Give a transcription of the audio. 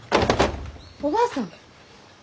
おばあさん？